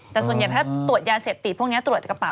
แต่ส่วนใหญ่ถ้าตรวจยาเสพติดพวกนี้ตรวจจากกระเป๋